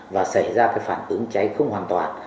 và xảy ra cái phản ứng cháy không hoàn toàn